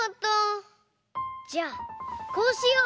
じゃあこうしよう！